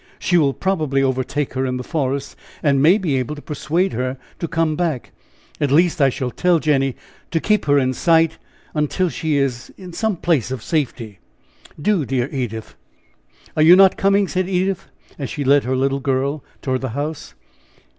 She will probably overtake her in the forest, and may be able to persuade her to come back. At least, I shall tell Jenny to keep her in sight, until she is in some place of safety." "Do, dear Edith!" "Are you not coming?" said Edith, as she led her little girl toward the house.